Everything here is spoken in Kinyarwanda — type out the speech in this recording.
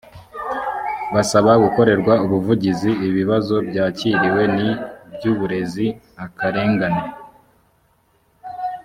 basaba gukorerwa ubuvugizi ibibazo byakiriwe ni iby uburezi akarengane